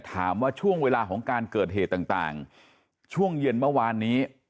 ถามว่าช่วงเวลาของการเกิดเหตุต่างช่วงเย็นเมื่อวานนี้